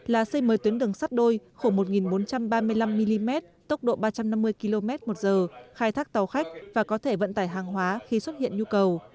là xây mới tuyến đường sắt đôi khổ một bốn trăm ba mươi năm mm tốc độ ba trăm năm mươi km một giờ khai thác tàu khách và có thể vận tải hàng hóa khi xuất hiện nhu cầu